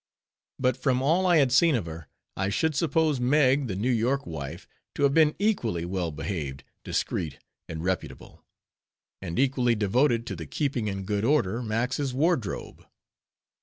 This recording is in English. But from all I had seen of her, I should suppose Meg, the New York wife, to have been equally well behaved, discreet, and reputable; and equally devoted to the keeping in good order Max's wardrobe.